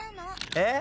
えっ⁉